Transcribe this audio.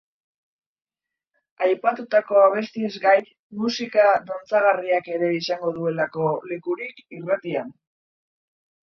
Aipatutako abestiez gain, musika dantzagarriak ere izango duelako lekurik irratian.